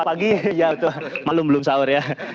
oh pagi ya itu malam belum sahur ya